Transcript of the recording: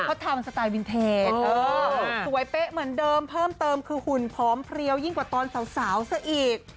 เขาทำสไตล์วินเทจสวยเป๊ะเหมือนเดิมเพิ่มเติมคือหุ่นพร้อมเพลียวยิ่งกว่าตอนสาวซะอีก